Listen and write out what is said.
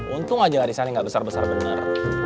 untung aja arisannya gak besar besar bener